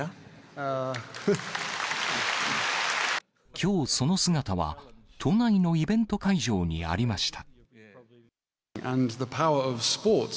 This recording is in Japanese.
きょう、その姿は都内のイベント会場にありました。